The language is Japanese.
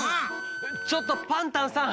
ちょっとパンタンさん。